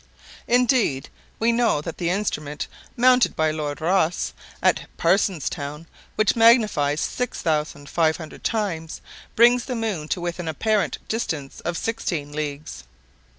Indeed, we know that the instrument mounted by Lord Rosse at Parsonstown, which magnifies 6,500 times, brings the moon to within an apparent distance of sixteen leagues.